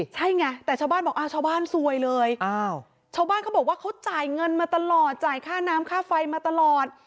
ใช่ไงแต่ชาวบ้านบอกชาวบ้านซวยเลยชาวบ้านเขาบอกว่าเขาจ่ายเงินมาตลอดจ่ายค่าน้ำค่าไฟมาตลอด